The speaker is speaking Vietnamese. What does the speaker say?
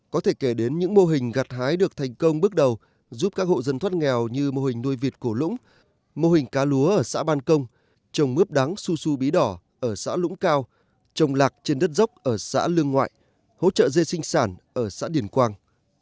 có thể kể đến những mô hình gặt hái được thành công bước đầu giúp các hộ dân thoát nghèo như mô hình nuôi vịt cổ lũng mô hình cá lúa ở xã ban công trồng mướp đắng su su bí đỏ ở xã lũng cao trồng lạc trên đất dốc ở xã lương ngoại hỗ trợ dê sinh sản ở xã điển quang